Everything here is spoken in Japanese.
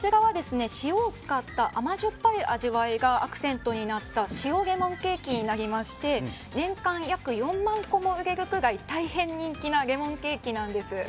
塩を使った甘じょっぱい味わいがアクセントになった塩レモンケーキになりまして年間約４万個も売れるくらい大変、人気なレモンケーキなんです。